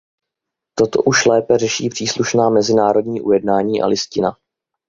Toto už lépe řeší příslušná mezinárodní ujednání a Listina.